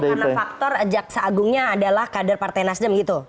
dan anda meyakini itu karena faktor jaksa agungnya adalah kader partai nasdem gitu